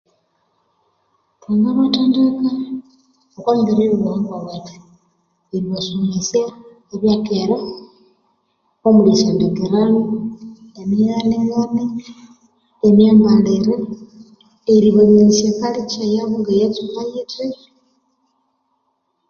Thangabathendeka okubyobuhangwa bwethu eribasomesya oku byakere omuli esyondekerano emighaneghane emyambalire eribaminyisya ekalikya yabo ngayatsuka yithi